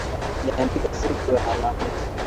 Aliandika siku ya Alhamisi.